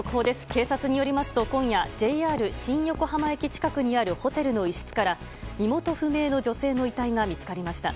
警察によりますと今夜、ＪＲ新横浜駅近くにあるホテルの一室から身元不明の女性の遺体が見つかりました。